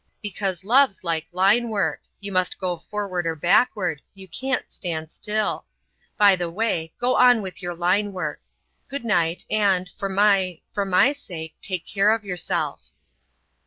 "Because love's like line work: you must go forward or backward; you can't stand still. By the way, go on with your line work. Good night, and, for my—for my sake, take care of yourself."